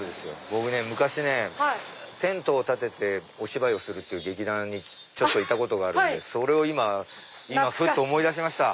僕昔ねテントを立ててお芝居をするっていう劇団にちょっといたことがあるんで今ふっと思い出しました。